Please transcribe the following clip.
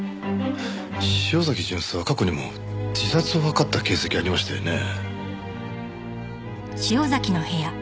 潮崎巡査は過去にも自殺を図った形跡がありましたよね。